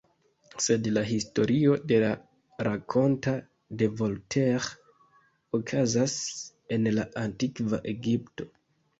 Sed la historio de la rakonto de Voltaire okazas en la Antikva Egipto.